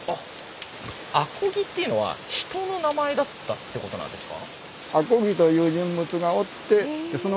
阿漕っていうのは人の名前だったってことなんですか？